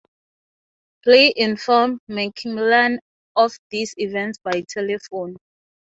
Bligh informed Macmillan of these events by telephone.